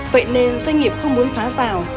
vậy nên doanh nghiệp không muốn phá rào